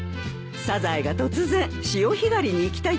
サザエが突然潮干狩りに行きたいって言うんです。